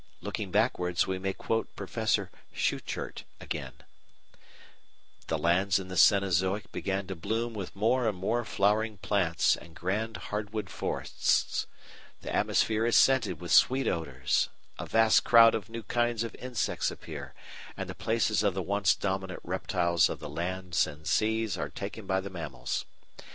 Looking backwards we may quote Professor Schuchert again: "The lands in the Cenozoic began to bloom with more and more flowering plants and grand hardwood forests, the atmosphere is scented with sweet odours, a vast crowd of new kinds of insects appear, and the places of the once dominant reptiles of the lands and seas are taken by the mammals.